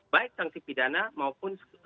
baik sanksi pidana maupun